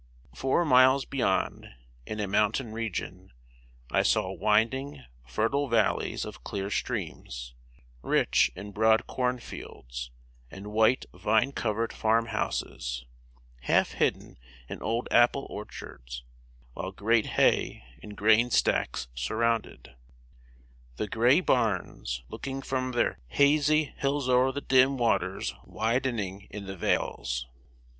Four miles beyond, in a mountain region, I saw winding, fertile valleys of clear streams, rich in broad corn fields; and white vine covered farm houses, half hidden in old apple orchards; while great hay and grain stacks surrounded "The gray barns, looking from their hazy hills O'er the dim waters widening in the vales."